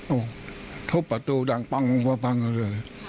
โอ้ทบประตูดังปังปังเลย